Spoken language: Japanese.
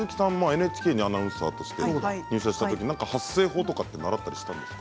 ＮＨＫのアナウンサーとして入社したとき何か発声法とか習ったりしたんですか？